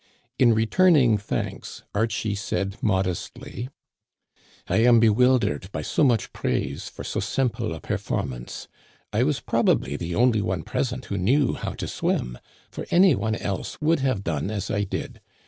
In returning thanks, Archie said modestly :" I am bewildered by so much praise for so simple a performance. I was probably the only one present who 6 Digitized by VjOOQIC 82 THE CANADIANS OF OLD. knew how to swim ; for any one else would have done as I did.